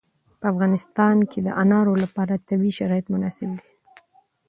په افغانستان کې د انار لپاره طبیعي شرایط مناسب دي.